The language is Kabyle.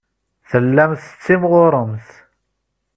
Tellamt tettimɣuremt.